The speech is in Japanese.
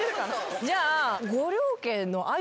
じゃあ。